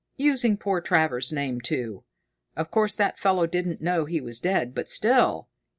Using poor Travers's name, too! Of course that fellow didn't know he was dead, but still...."